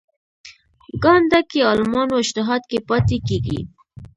ګانده کې عالمانو اجتهاد کې پاتې کېږي.